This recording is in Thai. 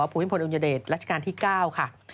ผู้พิมพลอุณยเดชรัชกาลที่๙ค่ะ